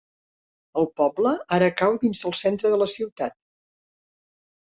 El poble ara cau dins del centre de la ciutat.